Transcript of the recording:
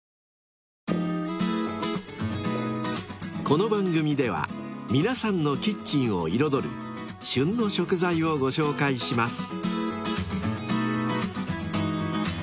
［この番組では皆さんのキッチンを彩る「旬の食材」をご紹介します］